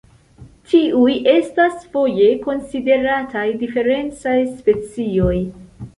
Tiuj estas foje konsiderataj diferencaj specioj.